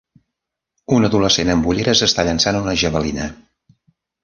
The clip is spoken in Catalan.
Un adolescent amb ulleres està llançant una javelina.